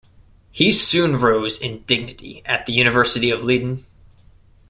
He soon rose in dignity at the University of Leiden.